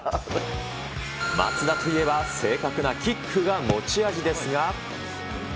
松田といえば正確なキックが持ち味ですが。